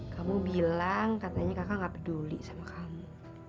kamu bilang katanya kakak gak peduli sama kamu